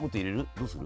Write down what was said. どうする？